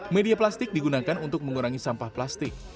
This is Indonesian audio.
media plastik digunakan untuk mengurangi sampah plastik